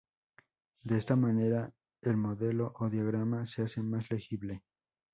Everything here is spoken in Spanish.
De esta manera, el modelo o diagrama se hace más legible.